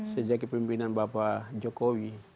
sejak pembinaan bapak jokowi